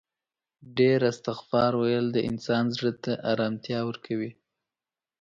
ډیر استغفار ویل د انسان زړه ته آرامتیا ورکوي